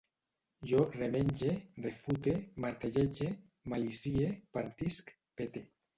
Jo remenge, refute, martellege, malicie, partisc, pete